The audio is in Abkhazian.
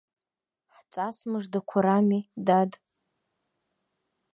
Ҳҵас мыждақәа рами, дад.